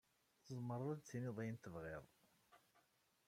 Tzemreḍ ad d-tiniḍ ayen tebɣiḍ.